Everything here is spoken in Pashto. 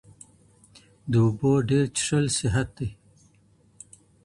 د اوبو ډېر چښل صحت دی.